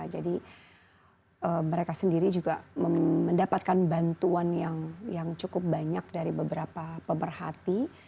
jadi mereka sendiri juga mendapatkan bantuan yang cukup banyak dari beberapa pemerhati